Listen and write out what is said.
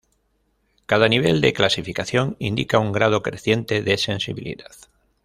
Cada nivel de clasificación indica un grado creciente de sensibilidad.